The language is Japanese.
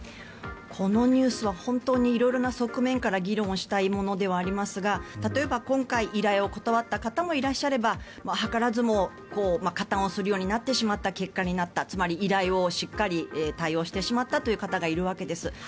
このニュースは本当に色々な側面から議論したいものではありますが例えば今回、依頼を断った方もいらっしゃれば図らずも加担する結果になったつまり依頼をしっかり対応してしまったという方がいるわけです。